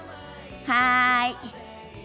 はい。